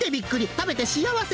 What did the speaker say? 食べて幸せ！